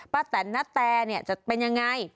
แตนณแตจะเป็นยังไง